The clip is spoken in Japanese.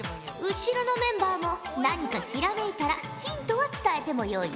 後ろのメンバーも何かひらめいたらヒントは伝えてもよいぞ。